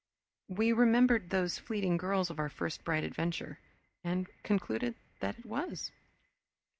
We remembered those fleeting girls of our first bright adventure, and concluded that it was.